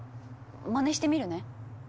まねしてみるね。